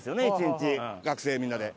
１日学生みんなで。